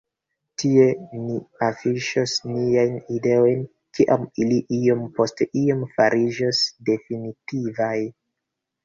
Tie ni afiŝos niajn ideojn, kiam ili iom post iom fariĝos definitivaj.